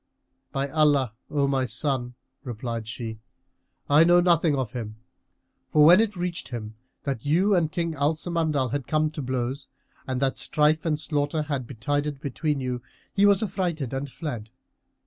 "By Allah, O my son," replied she, "I know nothing of him! For when it reached him that you and King Al Samandal had come to blows and that strife and slaughter had betided between you, he was affrighted and fled."